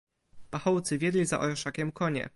"Pachołcy wiedli za orszakiem konie."